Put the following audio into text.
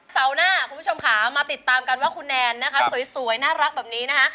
เสาร์หน้าคุณผู้ชมค่ะมาติดตามกันว่าคุณแนนนะคะสวยน่ารักแบบนี้นะคะ